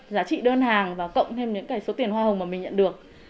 giá trị đơn hàng và cộng thêm số tiền hoa hồng mà mình nhận được